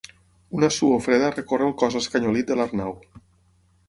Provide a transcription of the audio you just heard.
Una suor freda recorre el cos escanyolit de l'Arnau.